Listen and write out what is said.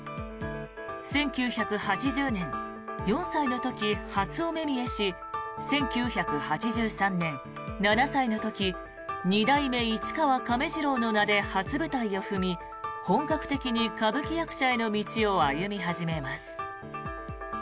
１９８０年、４歳の時初お目見えし１９８３年、７歳の時二代目市川亀治郎の名で初舞台を踏み本格的に歌舞伎役者への道を歩み始めます。